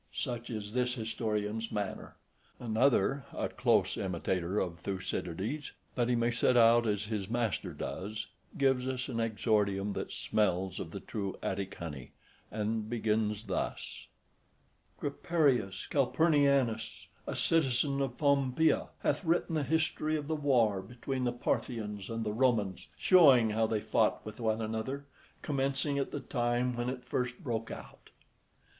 Such is this historian's manner. Another, a close imitator of Thucydides, that he may set out as his master does, gives us an exordium that smells of the true Attic honey, and begins thus: "Creperius Calpurnianus, a citizen of Pompeia, hath written the history of the war between the Parthians and the Romans, showing how they fought with one another, commencing at the time when it first broke out."